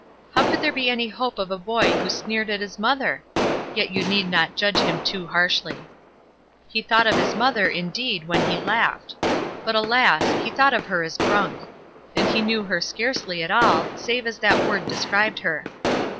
How could there be any hope of a boy who sneered at his mother? Yet you need not judge him too harshly. He thought of his mother, indeed, when he laughed; but alas! he thought of her as drunk. And he knew her scarcely at all, save as that word described her.